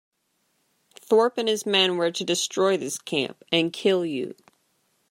Thorpe and his men were to destroy this camp, and kill you.